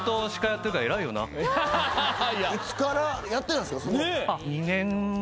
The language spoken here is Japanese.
いつからやってたんですか？